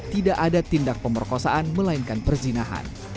tidak ada tindak pemerkosaan melainkan perzinahan